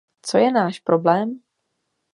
Co je náš problém?